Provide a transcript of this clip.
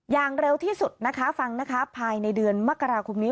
อย่างเร็วที่สุดนะคะฟังนะคะภายในเดือนมกราคมนี้